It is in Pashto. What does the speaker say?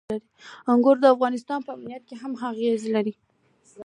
انګور د افغانستان په امنیت هم خپل اغېز لري.